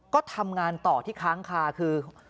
ก็ทำงานต่อที่ค้างคาคือ